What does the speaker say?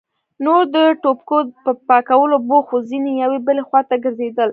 نور د ټوپکو په پاکولو بوخت وو، ځينې يوې بلې خواته ګرځېدل.